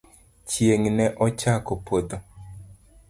Chieng' ne ochako podho .